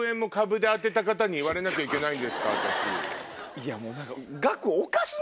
いやもう何か。